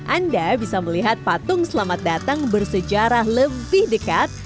anda bisa melihat patung selamat datang bersejarah lebih dekat